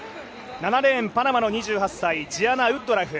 ７レーナ、パナマの２８歳、ジアナ・ウッドラフ。